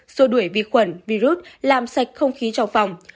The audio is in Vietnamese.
xua đuổi vi khuẩn virus làm sạch không khí trong phòng